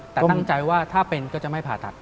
แต่ตั้งใจว่าถ้าเป็นก็จะไม่ผ่าตัด